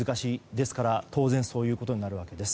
ですから、当然そういうことになるわけです。